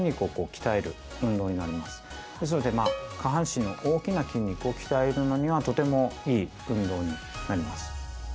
ですので下半身の大きな筋肉を鍛えるのにはとてもいい運動になります。